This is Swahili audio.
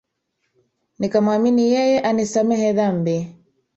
Nikamwamini yeye anisamehe dhambi